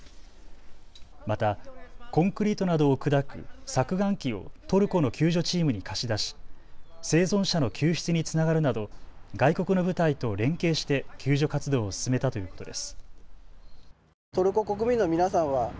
またコンクリートなどを砕く削岩機をトルコの救助チームに貸し出し、生存者の救出につながるなど外国の部隊と連携して救助活動を進めたということです。